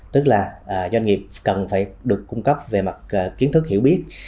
tức là doanh nghiệp cần phải được cung cấp về mặt kiến thức hiểu biết